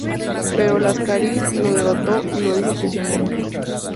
Pero Láscaris lo derrotó y lo hizo prisionero.